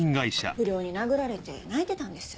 不良に殴られて泣いてたんです。